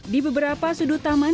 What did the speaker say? di beberapa sudut taman